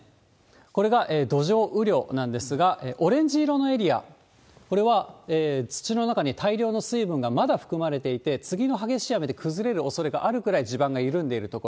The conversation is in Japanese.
これが土壌雨量なんですが、オレンジ色のエリア、これは土の中に大量の水分がまだ含まれていて、次の激しい雨で崩れるおそれがあるぐらい、地盤が緩んでいる所。